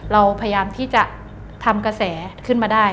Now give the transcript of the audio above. เราพยายามที่จะทำกระแสขึ้นมาได้